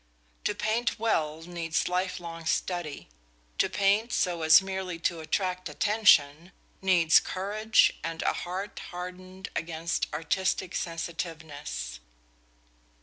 To paint well needs life long study; to paint so as merely to attract attention needs courage and a heart hardened against artistic sensitiveness.